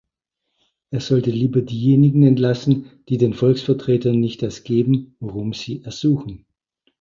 Er sollte lieber diejenigen entlassen, die den Volksvertretern nicht das geben, worum sie ersuchen.